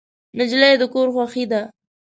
نجلۍ د کور خوښي ده.